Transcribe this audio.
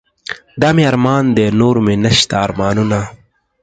دا مې ارمان دے نور مې نشته ارمانونه